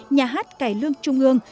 nhà hát cải lương trung ương